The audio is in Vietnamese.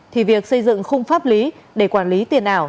thì việc xây dựng khung pháp lý để quản lý tiền ảo